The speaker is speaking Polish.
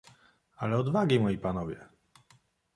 "Ale odwagi, moi panowie!"